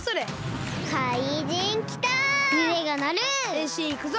へんしんいくぞ！